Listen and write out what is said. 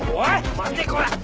待てこら！